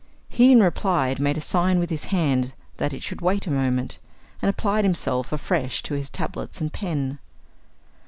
He, in reply, made a sign with his hand that it should wait a moment, and applied himself afresh to his tablets and pen.